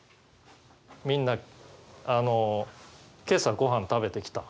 みんな今朝ごはん食べてきた？